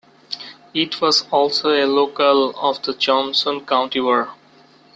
It was also a locale of the Johnson County War.